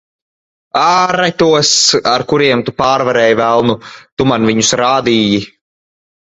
Āre tos, ar kuriem tu pārvarēji velnu. Tu man viņus rādīji.